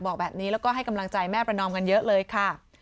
บอกแบบนี้แล้วก็ให้กำลังใจแม่ประนอมกันเยอะเลยค่ะ